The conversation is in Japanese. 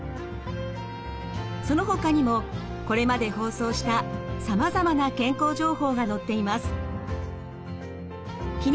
そのほかにもこれまで放送したさまざまな健康情報が載っています。